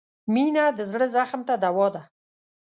• مینه د زړه زخم ته دوا ده.